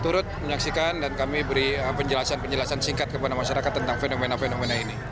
turut menyaksikan dan kami beri penjelasan penjelasan singkat kepada masyarakat tentang fenomena fenomena ini